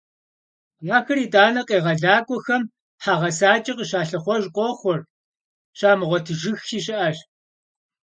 Ахэр итӏанэ къегъэлакӏуэхэм хьэ гъэсакӏэ къыщалъыхъуэж къохъур, щамыгъуэтыжыххи щыӏэщ.